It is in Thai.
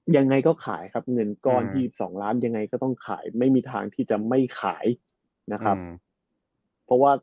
ยังไงก็ขายครับเงินก้อน๒๒ล้านยังไงก็ต้องขายไม่มีทางที่จะไม่ขายนะครับเพราะว่า